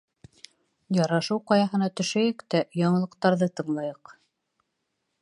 Ярашыу ҡаяһына төшәйек тә яңылыҡтарҙы тыңлайыҡ.